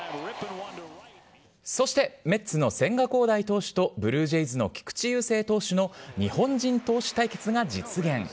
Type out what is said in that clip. そして、メッツの千賀滉大投手とブルージェイズの菊池雄星投手の日本人投手対決が実現。